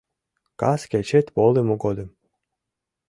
Кас кечет волымо годым